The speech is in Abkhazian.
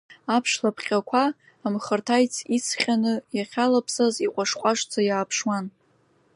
Аԥш лапҟьақәа, амхырҭа ицҟьаны иахьалаԥсаз, иҟәаш-ҟәашӡа иааԥшуан.